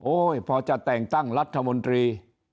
พอจะแต่งตั้งรัฐมนตรี